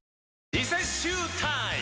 リセッシュータイム！